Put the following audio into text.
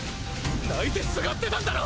泣いてすがってたんだろ！